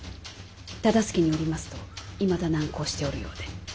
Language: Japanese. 忠相によりますといまだ難航しておるようで。